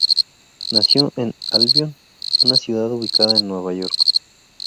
Nació en Albion, una ciudad ubicada en Nueva York.